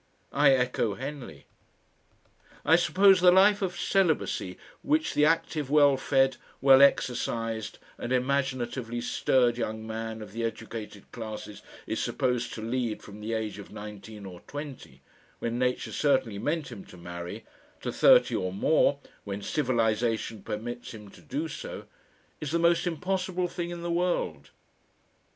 I echo Henley. I suppose the life of celibacy which the active, well fed, well exercised and imaginatively stirred young man of the educated classes is supposed to lead from the age of nineteen or twenty, when Nature certainly meant him to marry, to thirty or more, when civilisation permits him to do so, is the most impossible thing in the world.